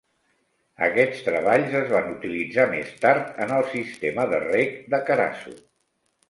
Aquests treballs es van utilitzar més tard en el sistema de reg de Carasu.